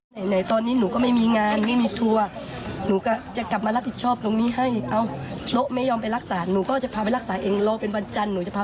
ในขณะนี้หนูไม่คิดเลยหนูก็บอกโรงพยาบาลแล้วว่ายังไงก็ต้องเอาไป